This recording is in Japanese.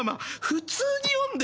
普通に読んでよ。